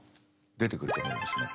出てくると思うんですね。